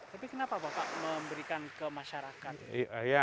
tapi kenapa bapak memberikan ke masyarakat